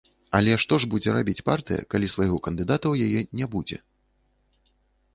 Але што ж будзе рабіць партыя, калі свайго кандыдата ў яе не будзе?